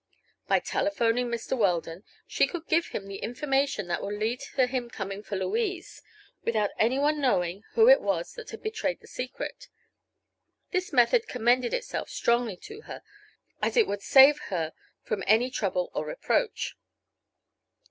By telephoning Mr. Weldon she could give him the information that would lead to his coming for Louise, without anyone knowing who it was that had betrayed the secret. This method commended itself strongly to her, as it would save her from any trouble or reproach.